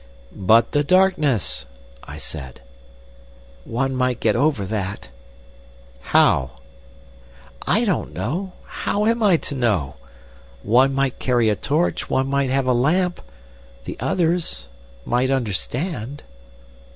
"But the darkness," I said. "One might get over that." "How?" "I don't know. How am I to know? One might carry a torch, one might have a lamp— The others—might understand."